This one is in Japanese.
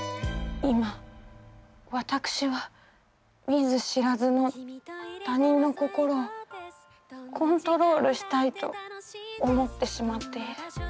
今私は見ず知らずの他人の心をコントロールしたいと思ってしまっている。